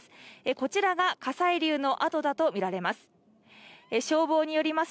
こちらが火砕流の跡だと見られます。